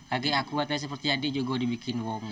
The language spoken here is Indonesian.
lagi aku seperti adik juga dibikin wong